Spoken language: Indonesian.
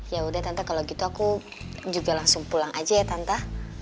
yaudah tante kalau gitu aku juga langsung pulang aja ya tante